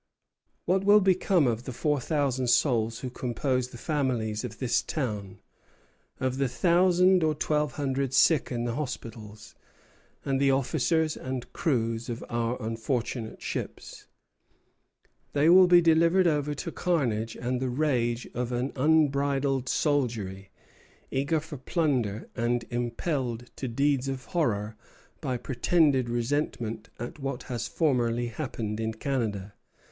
What will become of the four thousand souls who compose the families of this town, of the thousand or twelve hundred sick in the hospitals, and the officers and crews of our unfortunate ships? They will be delivered over to carnage and the rage of an unbridled soldiery, eager for plunder, and impelled to deeds of horror by pretended resentment at what has formerly happened in Canada.